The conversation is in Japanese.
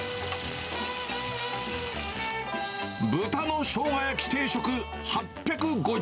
豚のしょうが焼き定食８５０円。